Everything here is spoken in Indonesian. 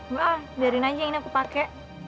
gak ah biarin aja ini aku pake